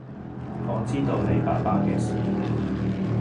我知道你爸爸嘅事